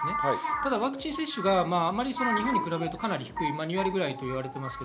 ただ、ワクチン接種が日本に比べると低い２割ぐらいと言われています。